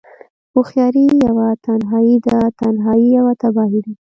هوښياری يوه تنهايی ده، تنهايی يوه تباهی ده